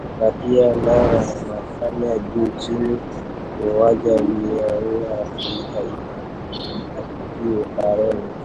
na pia naye anafanya juu chini muuwaji aliyewauwa rafikize atiwe mbaroni